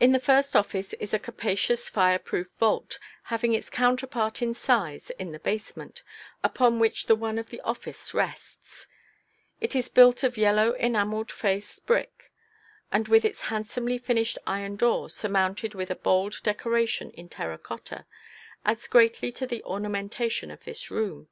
In the first office is a capacious fire proof vault, having its counterpart in size in the basement, upon which the one in the office rests; it is built of yellow enameled face brick, and with its handsomely finished iron door surmounted with a bold decoration in terra cotta, adds greatly to the ornamentation of this room.